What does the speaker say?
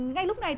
ngay lúc này